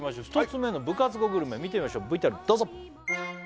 １つ目の部活後グルメ見てみましょうＶＴＲどうぞ！